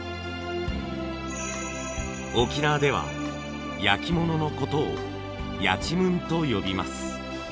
沖縄では焼き物のことを「やちむん」と呼びます。